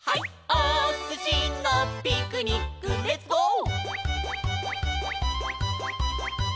おすしのピクニックレッツゴー！」